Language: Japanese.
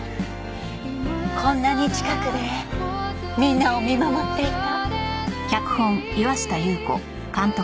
こんなに近くでみんなを見守っていた。